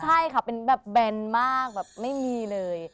ใช่ค่ะเป็นแบบแบนมากแบบไม่มีเลย